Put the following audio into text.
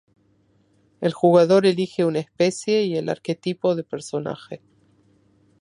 El jugador elije una especie y el arquetipo de personaje.